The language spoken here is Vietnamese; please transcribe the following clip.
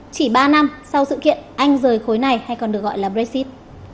chỉ ba năm sau sự kiện anh rời khối này hay còn được gọi là brexit